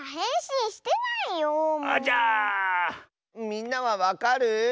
みんなはわかる？